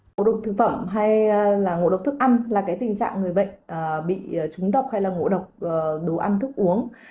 ngộ độc thực phẩm hay là ngộ độc thức ăn là tình trạng người bệnh bị trúng độc hay là ngộ độc đồ ăn thức uống